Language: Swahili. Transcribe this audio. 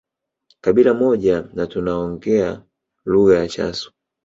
Kabila moja na tunaoongea lugha ya Chasu